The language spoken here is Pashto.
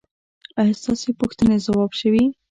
ایا ستاسو پوښتنې ځواب شوې؟